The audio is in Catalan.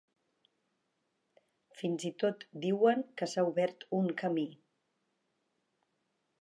Fins i tot diuen que s’ha obert un camí.